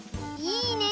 いいね！